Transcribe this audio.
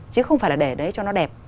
chứ không phải là để đấy cho nó đẹp